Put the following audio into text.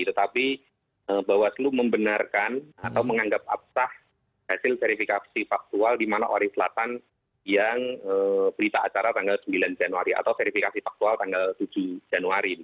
tetapi bawaslu membenarkan atau menganggap absah hasil verifikasi faktual di manori selatan yang berita acara tanggal sembilan januari atau verifikasi faktual tanggal tujuh januari